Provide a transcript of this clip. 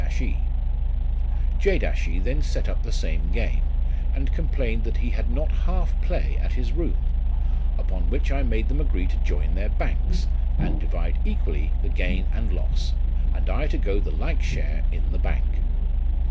" J e then set up the same game, and complained that he had not half play at his room ; upon which I made them agree to join their banks, and divide equally the gain and loss, and I to go the like share in the bank.